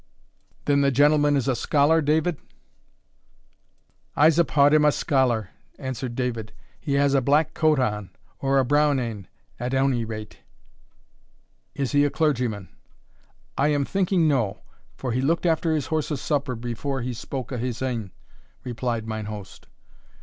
"Then the gentleman is a scholar, David?" "I'se uphaud him a scholar," answered David: "he has a black coat on, or a brown ane, at ony rate." "Is he a clergyman?" "I am thinking no, for he looked after his horse's supper before he spoke o' his ain," replied mine host.